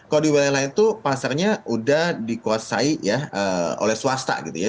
kalau di wilayah lain itu pasarnya udah dikuasai ya oleh swasta gitu ya